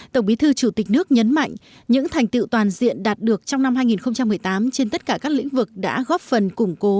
tổng bí thư chủ tịch nước nhấn mạnh những thành tiệu toàn diện đạt được trong năm hai nghìn một mươi tám trên tất cả các lĩnh vực đã góp phần củng cố